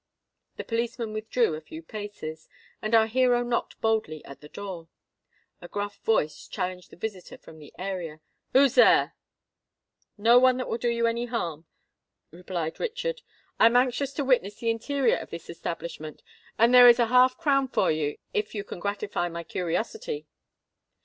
The policeman withdrew a few paces; and our hero knocked boldly at the door. A gruff voice challenged the visitor from the area. "Who's here?" "No one that will do you any harm," replied Richard. "I am anxious to witness the interior of this establishment; and here is half a crown for you if you can gratify my curiosity."